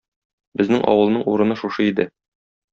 Безнең авылның урыны шушы иде.